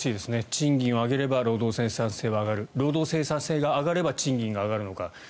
賃金を上げれば労働生産性は上がる労働生産性が上がれば賃金が上がるのか。